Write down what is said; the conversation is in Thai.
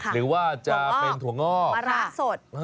หรือว่าจะเป็นถั่วงอกปลาร้าสด